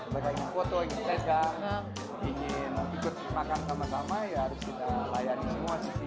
bagi foto kita gak ingin ikut makan sama sama ya harus kita layani semua sih